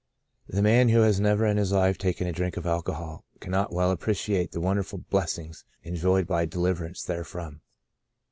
" The man who has never in his life taken a drink of alcohol cannot well appreciate the wonderful blessings enjoyed by a deliverance therefrom.